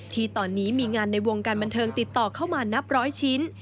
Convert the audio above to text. ที่ตอนนี้มีงานในวงการบันเทิงติดต่อเข้ามานับร้อยชิ้น